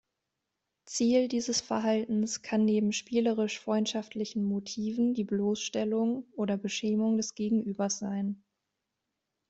Ziel dieses Verhaltens kann neben spielerisch-freundschaftlichen Motiven die Bloßstellung oder Beschämung des Gegenübers sein.